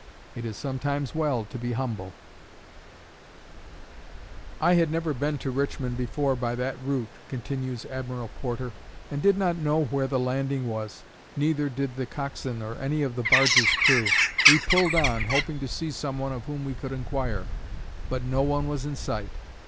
_ It is sometimes well to be humble.' "I had never been to Richmond before by that route," continues Admiral Porter, "and did not know where the landing was; neither did the cockswain nor any of the barge's crew. We pulled on, hoping to see someone of whom we could inquire, but no one was in sight.